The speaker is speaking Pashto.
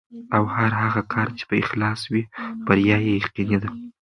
او هر هغه کار چې په اخلاص وي، بریا یې یقیني ده.